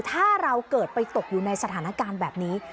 ถ้าเราเกิดไปตกอยู่ในสถานการณ์แบบนี้